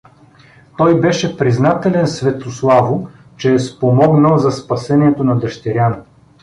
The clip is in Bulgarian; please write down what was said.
Той беше признателен Светославу, че е спомогнал за спасението на дъщеря му.